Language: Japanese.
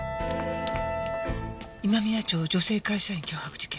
「今宮町女性会社員脅迫事件」。